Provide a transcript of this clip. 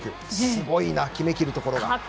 すごいな決めきるところが。